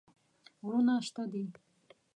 غرونه شته دي.